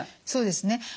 そうですね。